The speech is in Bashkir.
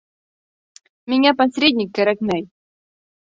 Миңә посредник кәрәкмәй.